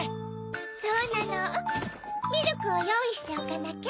そうなのミルクをよういしておかなきゃ。